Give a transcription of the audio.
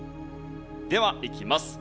ではいきます。